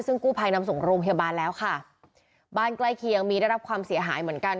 ซึ่งกู้ภัยนำส่งโรงพยาบาลแล้วค่ะบ้านใกล้เคียงมีได้รับความเสียหายเหมือนกัน